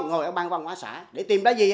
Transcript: ngồi ở ban văn hóa xã để tìm ra gì